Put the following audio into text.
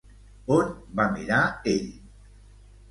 On va mirar ell?